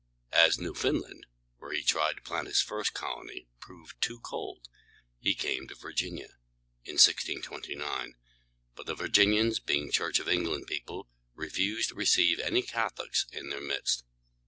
As Newfoundland, where he tried to plant his first colony, proved too cold, he came to Virginia, in 1629. But the Virginians, being Church of England people, refused to receive any Catholics in their midst.